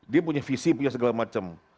dia punya visi punya segala macam